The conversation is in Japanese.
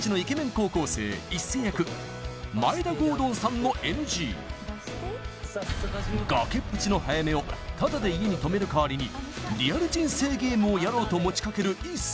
高校生壱成役・眞栄田郷敦さんのＮＧ崖っぷちの早梅をタダで家に泊める代わりにリアル人生ゲームをやろうと持ちかける壱成